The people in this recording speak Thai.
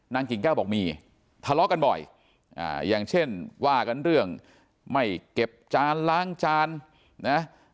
กิ่งแก้วบอกมีทะเลาะกันบ่อยอย่างเช่นว่ากันเรื่องไม่เก็บจานล้างจานนะ